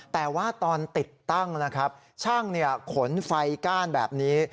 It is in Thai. แต่ว่าตอนติดตั้งนะครับช่างขนไฟก้านแบบนี้